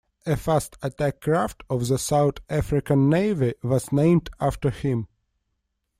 A Fast Attack Craft of the South African Navy was named after him.